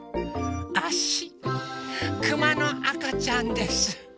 あしくまのあかちゃんです。